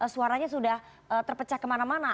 suaranya sudah terpecah kemana mana